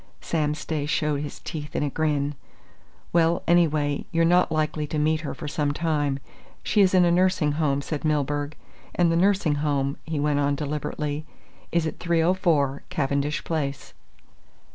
Sam Stay showed his teeth in a grin. "Well, anyway, you're not likely to meet her for some time. She is in a nursing home," said Milburgh, "and the nursing home," he went on deliberately, "is at 304, Cavendish Place."